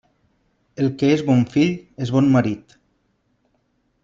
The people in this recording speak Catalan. El que és bon fill és bon marit.